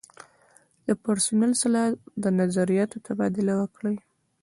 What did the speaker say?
له پرسونل سره د نظریاتو تبادله وکړو.